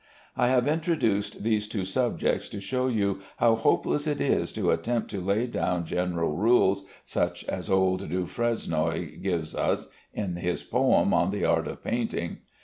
I have introduced these two subjects to show you how hopeless it is to attempt to lay down general rules such as old Du Fresnoy gives us in his poem on the art of painting.